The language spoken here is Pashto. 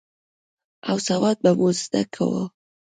او سواد به مو زده کاوه.